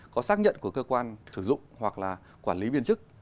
có xác nhận của cơ quan sử dụng hoặc là quản lý viên chức